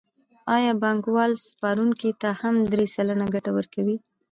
آیا بانکوال سپارونکو ته هم درې سلنه ګټه ورکوي